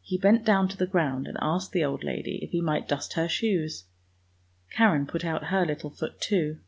He bent down to the ground and asked the old lad\ if he might dust her shoes. Karen put out her little foot too.